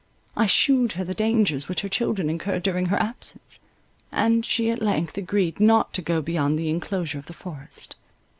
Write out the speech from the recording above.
I shewed her the dangers which her children incurred during her absence; and she at length agreed not to go beyond the inclosure of the forest.